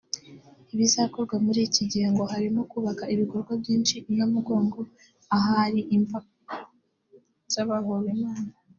Ibizakorwa muri iki gihe ngo harimo kubaka ibikorwa byinshi i Namugongo ahari imva z’abahowe Imana